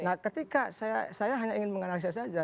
nah ketika saya hanya ingin menganalisa saja